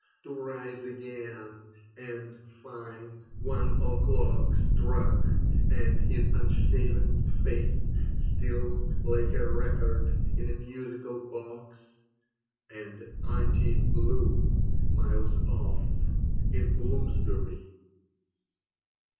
to rise again and find One o'clock struck and his unshaven face Still like a record in a musical box, And Auntie Loo miles off in Bloomsbury.